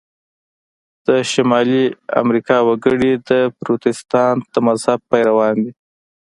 د شمالي امریکا وګړي د پروتستانت د مذهب پیروان دي.